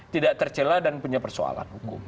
tidak tercela dan punya persoalan hukum